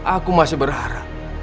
aku masih berharap